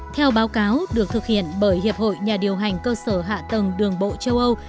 theo báo cáo được thực hiện bởi hiệp hội nhà điều hành cơ sở hạ tầng đường bộ châu âu